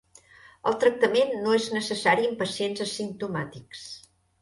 El tractament no és necessari en pacients asimptomàtics.